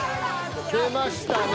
出ましたね。